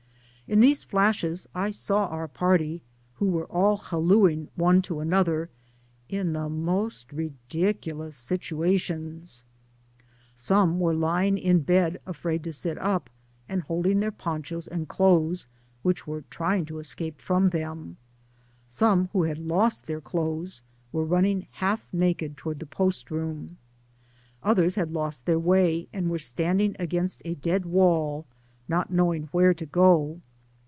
In these flashes I saw our party, who were all hallooing one to another, in the most ludicrous situations. Some were lying in bed afraid to sit up, and hold ing their ponchos and clothes, which were trying to escape from them — ^some who had lost their clothes were running half naked towards the post room — others had lost their way, and were standing againsi a dead wall, not knowing where to go.